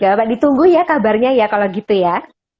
gak apa apa ditunggu ya kabarnya ya kalau gitu ya